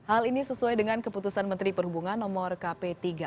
hal ini sesuai dengan keputusan menteri perhubungan nomor kp tiga ratus empat puluh delapan